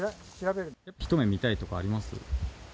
一目見たいとかあります？